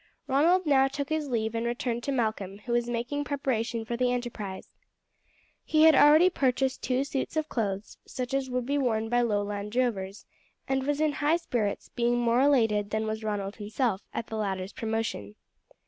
Ronald now took his leave and returned to Malcolm, who was making preparation for the enterprise. He had already purchased two suits of clothes, such as would be worn by Lowland drovers, and was in high spirits, being more elated than was Ronald himself at the latter's promotion.